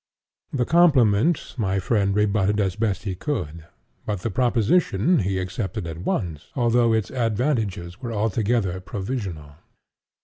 The compliment my friend rebutted as best he could, but the proposition he accepted at once, although its advantages were altogether provisional.